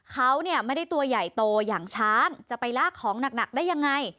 เขาเนี่ยไม่ได้ตัวใหญ่โตอย่างช้างจะไปลากของหนักได้ยังไง